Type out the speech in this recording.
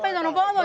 bây giờ nó vỡ rồi